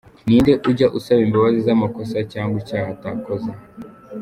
Ni nde ujya asaba imbabazi z’amakosa cg icyaha atakoze ?